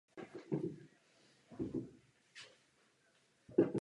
Komise musí účinněji vysvětlovat spotřebitelům přínos politiky hospodářské soutěže.